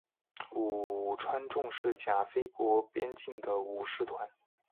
武川众是甲斐国边境的武士团。